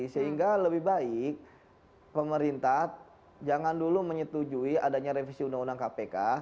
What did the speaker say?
sehingga lebih baik pemerintah jangan dulu menyetujui adanya revisi undang undang kpk